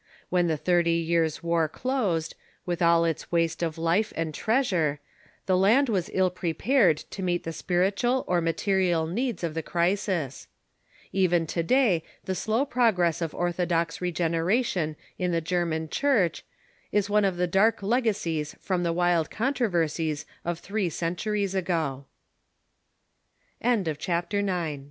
When the Thirty Years' War closed, with all its waste of life and treasure, the land was ill prepared to meet the spiritual or material needs of the crisis. Even to day, the slow process of orthodox regen eration in the German Church is one of the dark legacies from the w